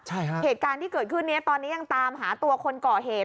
ใช่ฮะเหตุการณ์ที่เกิดขึ้นเนี้ยตอนนี้ยังตามหาตัวคนก่อเหตุ